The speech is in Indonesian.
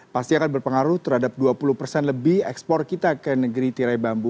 pasti akan berpengaruh terhadap dua puluh persen lebih ekspor kita ke negeri tirai bambu